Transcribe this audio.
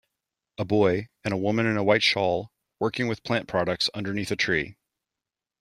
A boy and a woman in a white shawl working with plant products underneath a tree.